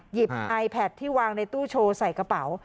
ไอแพทที่วางในตู้โชว์ใส่กระเป๋า